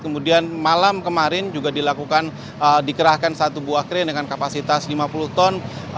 kemudian malam kemarin juga dilakukan dikerahkan satu buah krain dengan kapasitas lima puluh ton